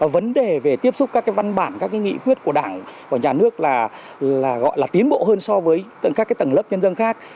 vấn đề về tiếp xúc các văn bản các nghị quyết của đảng và nhà nước là tiến bộ hơn so với các tầng lớp nhân dân khác